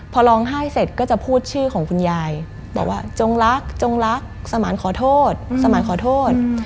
พอร้องไห้เสร็จก็จะพูดชื่อของคุณยายบอกว่าจงรักจงรักสมานขอโทษสมานขอโทษ